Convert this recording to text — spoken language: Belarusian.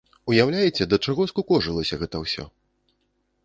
Уяўляеце, да чаго скукожылася гэта ўсё?